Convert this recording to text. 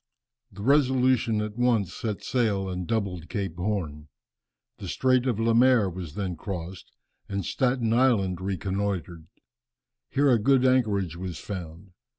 The Resolution at once set sail and doubled Cape Horn. The Strait of Lemaire was then crossed, and Staten Island reconnoitred. Here a good anchorage was found.